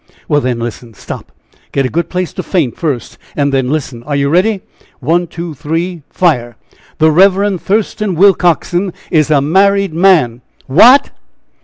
"Well, then, listen. Stop! get a good place to faint first, and then listen. Are you ready? One, two, three, fire. The Rev. Thurston Willcoxen is a married man!" "What!"